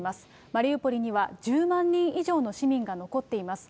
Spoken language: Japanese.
マリウポリには、１０万人以上の市民が残っています。